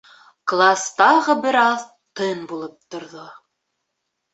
Класс тағы бер аҙ тын булып торҙо.